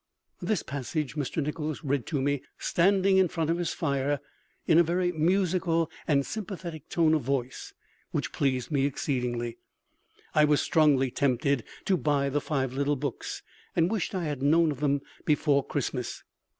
This passage Mr. Nichols read to me, standing in front of his fire, in a very musical and sympathetic tone of voice which pleased me exceedingly. I was strongly tempted to buy the five little books, and wished I had known of them before Christmas.